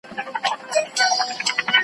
نه ملخ نه یې تر خوله خوږه دانه سوه .